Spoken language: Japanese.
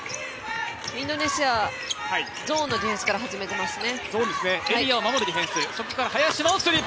インドネシア、ゾーンのディフェンスから始めていますね。